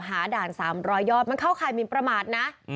หาด่านสามร้อยยอดมันเข้าข่ายมีประมาทนะ